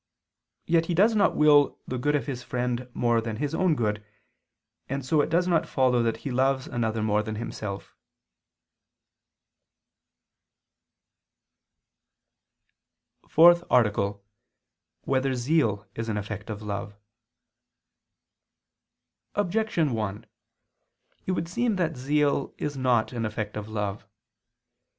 Yet he does not will the good of his friend more than his own good: and so it does not follow that he loves another more than himself. ________________________ FOURTH ARTICLE [I II, Q. 28, Art. 4] Whether Zeal Is an Effect of Love? Objection 1: It would seem that zeal is not an effect of love.